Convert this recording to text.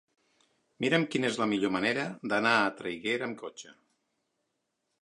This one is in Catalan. Mira'm quina és la millor manera d'anar a Traiguera amb cotxe.